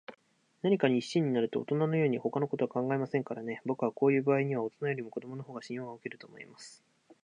何かに一心になると、おとなのように、ほかのことは考えませんからね。ぼくはこういうばあいには、おとなよりも子どものほうが信用がおけると思います。